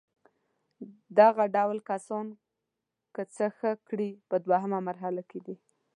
دغه ډول کسانو که څه ښه کړي په دوهمه مرحله کې دي.